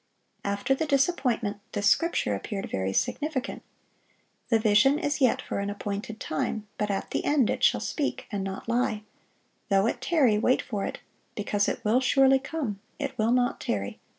After the disappointment, this scripture appeared very significant: "The vision is yet for an appointed time, but at the end it shall speak, and not lie: though it tarry, wait for it; because it will surely come, it will not tarry....